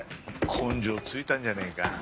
根性ついたんじゃねえか。